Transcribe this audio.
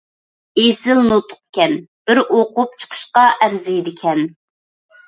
ئېسىل نۇتۇقكەن، بىر ئوقۇپ چىقىشقا ئەرزىيدىكەن.